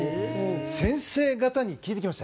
先生方に聞いてきました。